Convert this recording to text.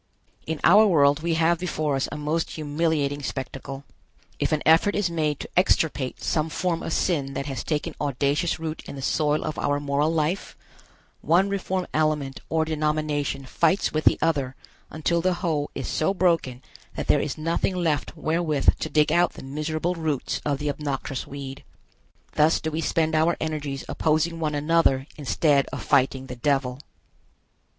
In our world we have before us a most humiliating spectacle. If an effort is made to extirpate some form of sin that has taken audacious root in the soil of our moral life, one reform element or denomination fights with the other until the hoe is so broken that there is nothing left wherewith to dig out the miserable roots of the obnoxious weed. Thus do we spend our energies opposing one another instead of fighting the Devil.